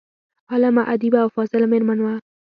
عالمه، ادیبه او فاضله میرمن وه.